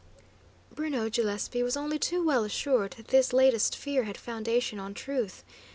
Bruno Gillespie was only too well assured that this latest fear had foundation on truth.